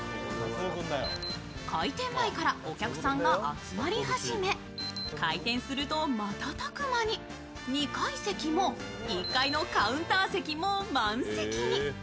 開店前からお客さんが集まり始め、開店すると瞬く間に２階席も１階のカウンター席も満席に。